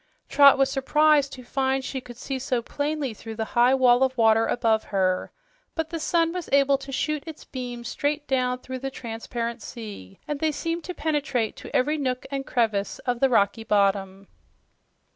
Trot was surprised to find she could see so plainly through the high wall of water above her, but the sun was able to shoot its beams straight down through the transparent sea, and they seemed to penetrate to every nook and crevice of the rocky bottom.